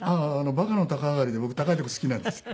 馬鹿の高上がりで僕高い所好きなんですよ。